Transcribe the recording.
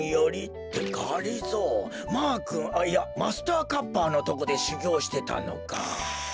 ってがりぞーマーくんいやマスターカッパーのとこでしゅぎょうしてたのか。